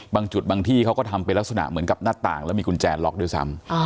บางจุดบางที่เขาก็ทำเป็นลักษณะเหมือนกับหน้าต่างแล้วมีกุญแจล็อกด้วยซ้ำ